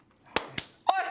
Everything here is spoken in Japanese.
おい！